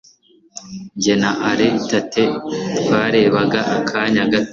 Jye na Alan Tate twarebaga akanya gato